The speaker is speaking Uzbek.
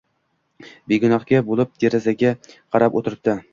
Begunohgina bo‘lib derazaga qarab o‘tiribdi.